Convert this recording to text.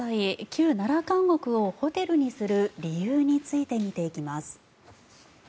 旧奈良監獄をホテルにする理由について見ていきます。